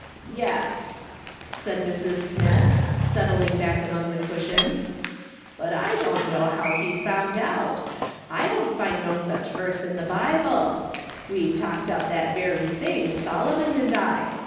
" Yes," said Mrs. Smith, settling back among the cushions, " but I don't know how he found out ; I don't find no such verse in the Bible ; we talked up that very thing, Solomon and I.